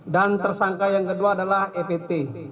dan tersangka yang kedua adalah ept